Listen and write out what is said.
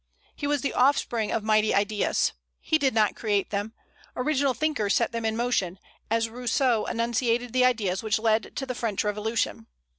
He was the offspring of mighty ideas, he did not create them; original thinkers set them in motion, as Rousseau enunciated the ideas which led to the French Revolution.